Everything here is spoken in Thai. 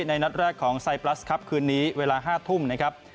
นัดแรกของไซปลัสครับคืนนี้เวลา๕ทุ่มนะครับ